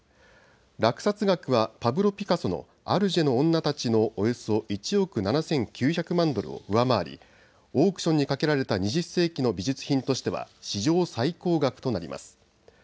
落札額はパブロ・ピカソのアルジェの女たちのおよそ１億７９００万ドルを上回りオークションにかけられた２０世紀の美術品としては史上最高額となります。